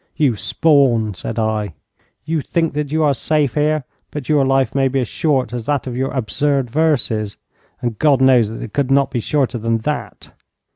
'You spawn!' said I; 'you think that you are safe here, but your life may be as short as that of your absurd verses, and God knows that it could not be shorter than that.'